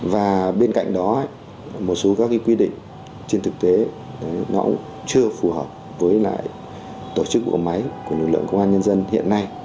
và bên cạnh đó một số các quy định trên thực tế nó cũng chưa phù hợp với lại tổ chức bộ máy của lực lượng công an nhân dân hiện nay